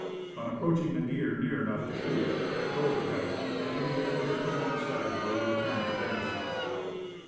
On approaching a deer near enough to shoot, let go the paddle, leaving it to drift alongside while you attend to venison.